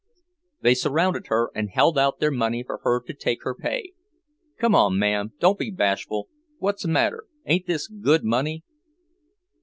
They surrounded her and held out their money for her to take her pay. "Come on, ma'm, don't be bashful. What's the matter, ain't this good money?"